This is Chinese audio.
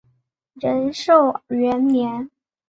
仁寿元年。